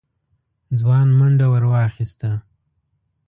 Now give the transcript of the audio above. ځوان منډه ور واخيسته.